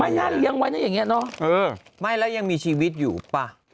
นั่นเลี้ยงไว้นะอย่างนี้เนอะไม่แล้วยังมีชีวิตอยู่ป่ะ